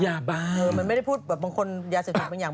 เหมือนมันไม่ได้พูดบางคนจะใส่ใส่บางอย่าง